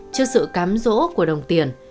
trước sự cám dỗ của đồng tiền